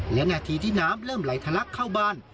และนาทีที่น้ำเริ่มไหลทะลักเข้าบ้าน